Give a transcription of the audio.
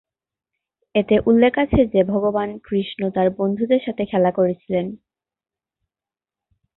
এতে উল্লেখ আছে যে ভগবান কৃষ্ণ তাঁর বন্ধুদের সাথে খেলাটি খেলেছিলেন।